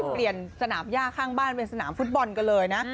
เปลี่ยนสนามย่าข้างบ้านเป็นสนามฟุตบอลกันเลยนะ